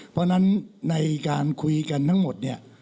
เพราะฉะนั้นในการคุยกันทั้งหมดเนี่ย